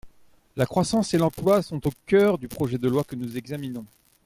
La croissance et l’emploi sont au cœur du projet de loi que nous examinons.